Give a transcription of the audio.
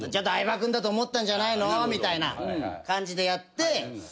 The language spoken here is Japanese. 相葉君だと思ったんじゃないのみたいな感じでやって。